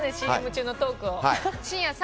ＣＭ中のトークを。